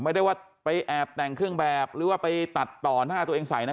ไม่ได้ว่าไปแอบแต่งเครื่องแบบหรือว่าไปตัดต่อหน้าตัวเองใส่นะ